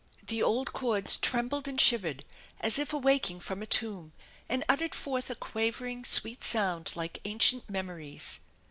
The old chords trembled and ihivered as if awaking from a tomb, and uttered forth a quavering, sweet sound like ancient memories.